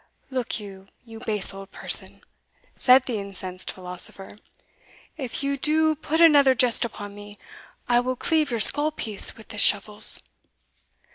"Look you, you base old person," said the incensed philosopher, "if you do put another jest upon me, I will cleave your skull piece with this shovels!"